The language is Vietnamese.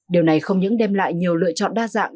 điều này không những đem lại nhiều lựa chọn đa dạng